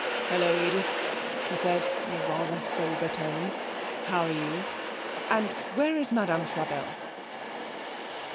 'Hallo, Edith,' he said, in a rather sober tone. 'How are you? And where is Madame Frabelle?'